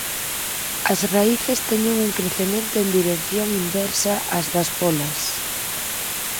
As raíces teñen un crecemento en dirección inversa ás das pólas.